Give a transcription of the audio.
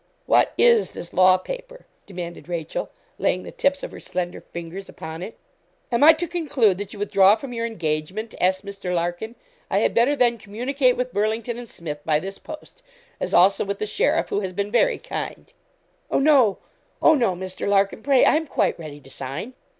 'What is this law paper?' demanded Rachel, laying the tips of her slender fingers upon it. 'Am I to conclude that you withdraw from your engagement?' asked Mr. Larkin. 'I had better, then, communicate with Burlington and Smith by this post; as also with the sheriff, who has been very kind.' 'Oh, no! oh, no, Mr. Larkin! pray, I'm quite ready to sign.'